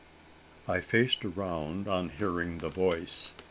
I faced round on hearing the voice.